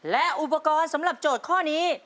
และอุปกรณ์สำหรับโจทย์ข้อนี้